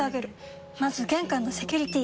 まず玄関のセキュリティ！